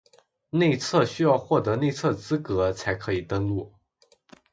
内测需要获得内测资格才可以登录